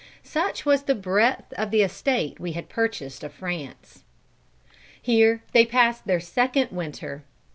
Such was the breadth of the estate we had purchased of France. Here they passed their second winter.